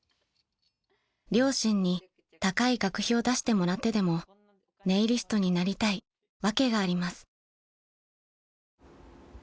［両親に高い学費を出してもらってでもネイリストになりたい訳があります］